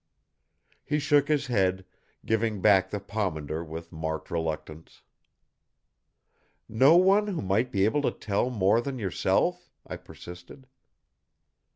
He shook his head, giving back the pomander with marked reluctance. "No one who might be able to tell more than yourself?" I persisted.